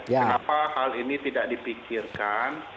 kenapa hal ini tidak dipikirkan